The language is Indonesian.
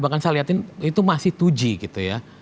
bahkan saya lihatin itu masih dua g gitu ya